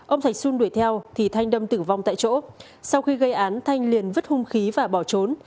ông thạch xuân đuổi theo thì thanh đâm tử vong tại chỗ sau khi gây án thanh liền vứt hung khí và bỏ trốn